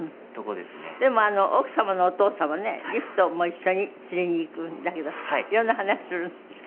でも奥様のお父様ね義父とも一緒に釣りに行くんだけどいろんな話するんですか？